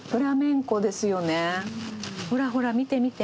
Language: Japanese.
ほらほら見て見て。